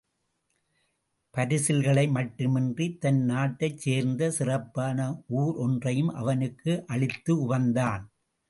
பரிசில்களை மட்டுமின்றித் தன் நாட்டைச் சேர்ந்த சிறப்பான ஊர் ஒன்றையும் அவனுக்கு அளித்து உவந்தான்.